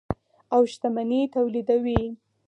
او شتمني تولیدوي.